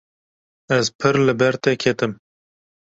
Ez pir li ber te ketim.